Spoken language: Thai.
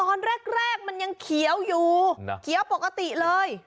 ตอนแรกมันยังเขียวอยู่เขียวปกติเลย